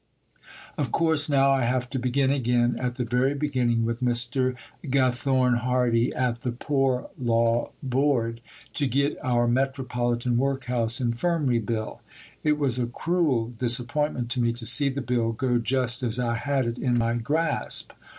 Of course now I have to begin again at the very beginning with Mr. Gathorne Hardy at the Poor Law Board, to get our Metropolitan Workhouse Infirmary Bill. It was a cruel disappointment to me to see the Bill go just as I had it in my grasp.